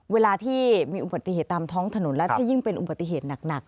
เวลาที่มีอุบัติเหตุตามท้องถนนแล้วถ้ายิ่งเป็นอุบัติเหตุหนัก